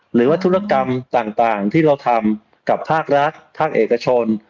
หรือว่าธุรกรรมต่างที่เราทำกับภาครัฐภาคเอกชน